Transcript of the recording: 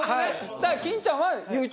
だから金ちゃんは。